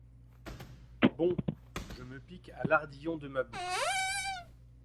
Bon, je me pique à l'ardillon de ma boucle.